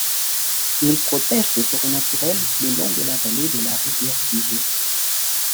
Il protège des forêts naturelles le long de la vallée de la rivière Dyje.